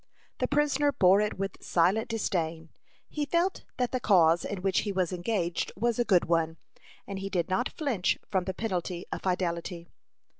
The prisoner bore it with silent disdain. He felt that the cause in which he was engaged was a good one, and he did not flinch from the penalty of fidelity.